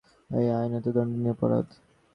এটা আইনত দণ্ডনীয় অপরাধ।